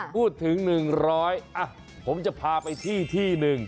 พูดถึงหนึ่งร้อยอ่ะผมจะพาไปที่ที่หนึ่ง